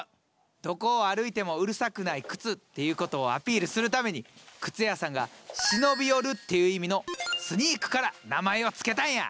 どこを歩いてもうるさくない靴っていうことをアピールするために靴屋さんが「忍び寄る」っていう意味の「スニーク」から名前を付けたんや。